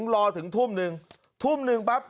การนอนไม่จำเป็นต้องมีอะไรกัน